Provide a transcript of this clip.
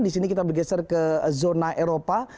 di sini kita bergeser ke zona eropa